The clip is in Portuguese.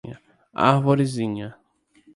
Arvorezinha